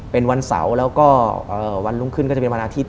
เป็นวันเสาร์แล้วก็วันรุ่งขึ้นก็จะเป็นวันอาทิตย